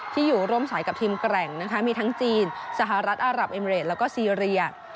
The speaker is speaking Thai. ที่อยู่ร่วมสายกับทีมแกร่งนะคะมีทั้งจีนสหรัฐอารับเอมเรดแล้วก็ซีเรีย